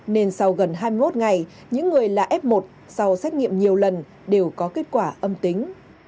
nên sau gần hai mươi một ngày những người là f một sau xét nghiệm nhiều lần đều có kết quả âm tính